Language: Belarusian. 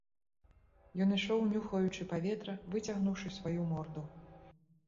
Ён ішоў, нюхаючы паветра, выцягнуўшы сваю морду.